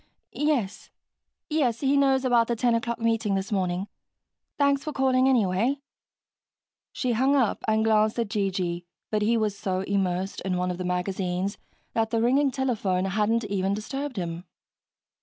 "Yes. Yes, he knows about the ten o'clock meeting this morning. Thanks for calling, anyway." She hung up and glanced at G.G., but he was so immersed in one of the magazines that the ringing telephone hadn't even disturbed him.